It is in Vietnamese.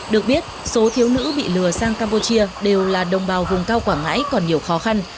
được biết số thiếu nữ bị lừa sang campuchia đều là đồng bào vùng cao quảng ngãi còn nhiều khó khăn